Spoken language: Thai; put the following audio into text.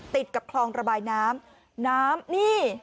ติดกับคลองระบายน้ำน้ำนี่